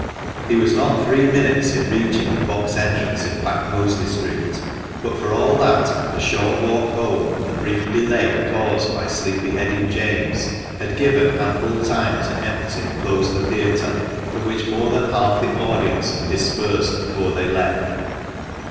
He was not three minutes in reaching the box entrance in Back Mosley Street ; but for all that, the short walk home, and the brief delay caused by sleepy headed James, had given ample time to empty and close the theatre, from which more than half the audience had dispersed before they left.